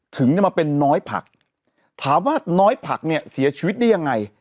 ถึงจะมาเป็นน้อยผักถามว่าน้อยผักเนี่ยเสียชีวิตได้ยังไง